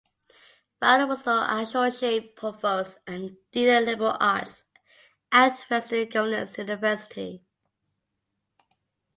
Fowler was associate provost and dean of liberal arts at Western Governors University.